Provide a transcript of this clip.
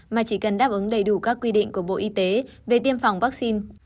mà chỉ cần đáp ứng đầy đủ các quy định của bộ y tế về tiêm phòng vaccine